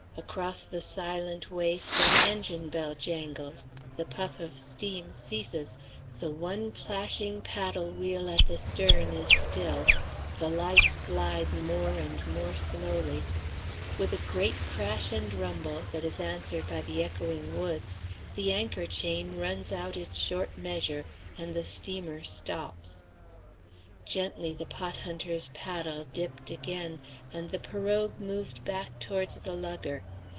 Across the silent waste an engine bell jangles; the puff of steam ceases; the one plashing paddle wheel at the stern is still; the lights glide more and more slowly; with a great crash and rumble, that is answered by the echoing woods, the anchor chain runs out its short measure, and the steamer stops. Gently the pot hunter's paddle dipped again, and the pirogue moved back towards the lugger.